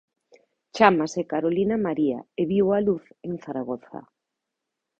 Chámase Carolina María e viu a luz en Zaragoza.